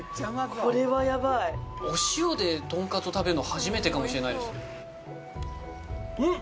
これはヤバいお塩でとんかつを食べるの初めてかもしれないですうん！